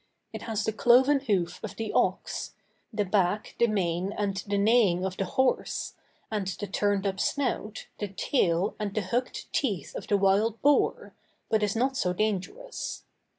It has the cloven hoof of the ox; the back, the mane, and the neighing of the horse; and the turned up snout, the tail, and the hooked teeth of the wild boar, but is not so dangerous.